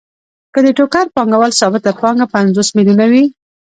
که د ټوکر پانګوال ثابته پانګه پنځوس میلیونه وي